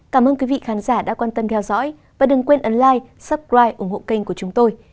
cảm ơn quý vị khán giả đã quan tâm theo dõi và đừng quên ấn lai suppride ủng hộ kênh của chúng tôi